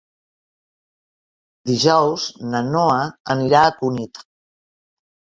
Dijous na Noa anirà a Cunit.